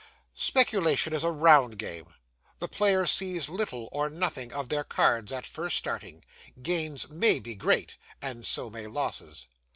Speculation is a round game; the players see little or nothing of their cards at first starting; gains MAY be great and so may losses.